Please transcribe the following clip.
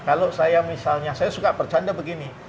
kalau saya misalnya saya suka bercanda begini